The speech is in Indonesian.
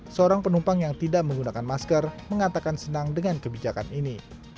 seorang penumpang yang tidak menggunakan masker mengatakan senang dengan kebijakan ini